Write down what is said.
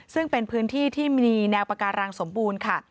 ซึ่งเป็นพื้นที่ที่มีแนวปาการังสมบูรณ์ค่ะ